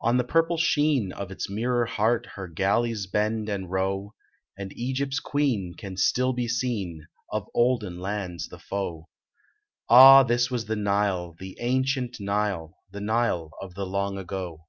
On the purple sheen of its mirror heart Her galleys bend and row, And Egypt s queen can still be seen, Of olden lands the foe. Ah ! this was the Nile, the ancient Nile, The Nile of the long ago.